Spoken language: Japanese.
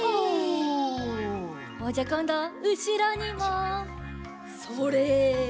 じゃあこんどはうしろにも。それ！